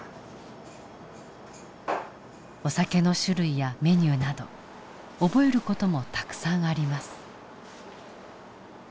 お酒の種類やメニューなど覚える事もたくさんあります。